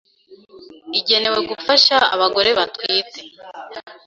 igenewe gufasha abagore batwite.